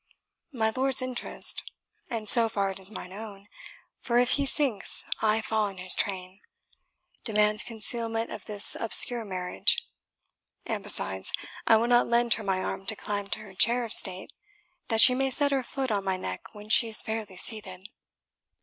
My lord's interest and so far it is mine own, for if he sinks I fall in his train demands concealment of this obscure marriage; and besides, I will not lend her my arm to climb to her chair of state, that she may set her foot on my neck when she is fairly seated.